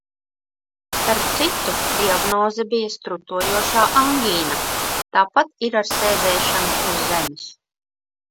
Starp citu, diagnoze bija strutojošā angīna. Tāpat ir ar sēdēšanu uz zemes.